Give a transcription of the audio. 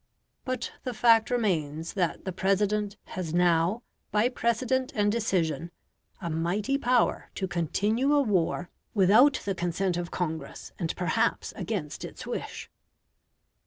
But the fact remains that the President has now, by precedent and decision, a mighty power to continue a war without the consent of Congress, and perhaps against its wish.